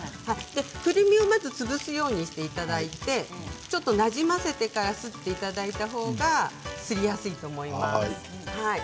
くるみをまず潰すようにしてちょっとなじませてからすっていただいた方がすりやすいと思います。